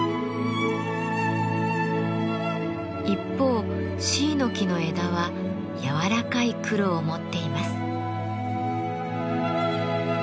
一方シイの木の枝はやわらかい黒を持っています。